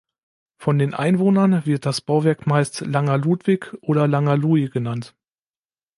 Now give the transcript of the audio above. Von den Einwohnern wird das Bauwerk meist "Langer Ludwig" oder "Langer Lui" genannt.